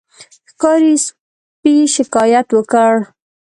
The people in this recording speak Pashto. ښکاري سپي شکایت وکړ.